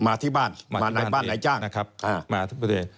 มาที่บ้านมาในบ้านไหนจ้าง